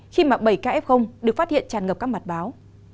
khi mạng bảy kf được phát hiện tràn ngập các mặt báo